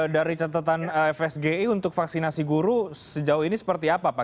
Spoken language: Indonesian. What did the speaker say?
dari catatan fsgi untuk vaksinasi guru sejauh ini seperti apa pak